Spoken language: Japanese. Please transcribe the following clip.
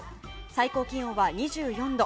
最高気温は２４度。